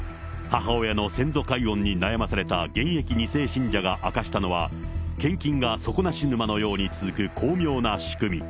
母親の先祖解怨に悩まされた現役２世信者が明かしたのは、献金が底なし沼のように続く巧妙な仕組み。